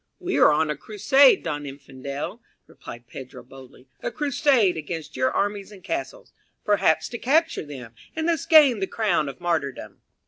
"We are on a crusade, don Infidel," replied Pedro, boldly. "A crusade against your armies and castles, perhaps to capture them, and thus gain the crown of martyrdom."